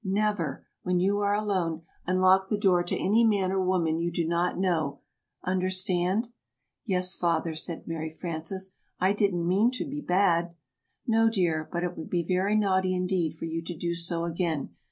Never, when you are alone, unlock the door to any man or woman you do not know. Understand?" "Yes, Father," said Mary Frances; "I didn't mean to be bad." "No, dear; but it would be very naughty indeed for you to do so again.